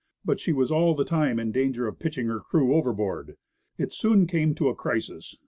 But she was all the time in danger of pitching her crew overboard. It soon came to a crisis.